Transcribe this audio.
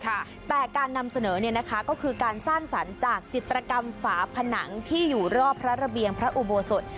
แต่การนำเสนอการสร้านสรรค์จากจิตรกรรมฝาผนังที่อยู่รอบภระระเบียงพระอุโบสต